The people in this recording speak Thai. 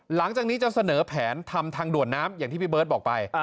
หลังจากนี้จะเสนอแผนทำทางด่วนน้ำอย่างที่พี่เบิร์ตบอกไป